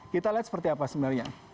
kita lihat seperti apa sebenarnya